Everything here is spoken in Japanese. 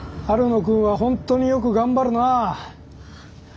晴野君は本当によく頑張るな。